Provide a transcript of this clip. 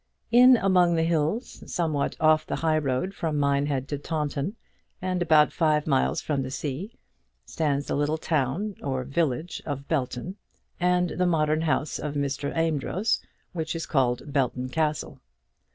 In among the hills, somewhat off the high road from Minehead to Taunton, and about five miles from the sea, stands the little town, or village, of Belton, and the modern house of Mr. Amedroz, which is called Belton Castle.